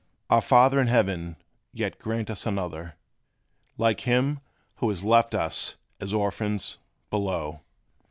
Our Father in heaven, yet grant us another, Like him, who has left us, as orphans, below!